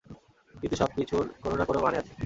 কিন্তু সবকিছুর কোন না কোন মানে আছে।